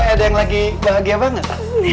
ada yang lagi bahagia banget